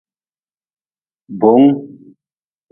Boongu.